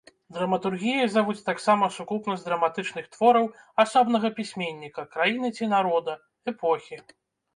Драматургіяй завуць таксама сукупнасць драматычных твораў асобнага пісьменніка, краіны ці народа, эпохі.